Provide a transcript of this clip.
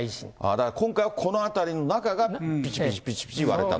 だから今回はこの辺りの中がぴちぴちぴちぴち割れたと。